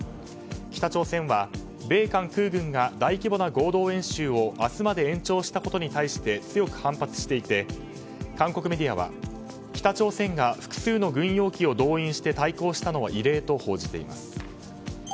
北朝鮮は米韓空軍が大規模な合同演習を明日まで延長したことに対して強く反発していて韓国メディアは北朝鮮が複数の軍用機を動員して対抗したのは異例と報じています。